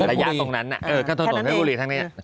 ระยะตรงนั้นน่ะเออก็ถนนเถิบบุรีทั้งนี้